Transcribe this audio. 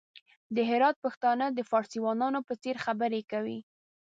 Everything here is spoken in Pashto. د هرات پښتانه د فارسيوانانو په څېر خبري کوي!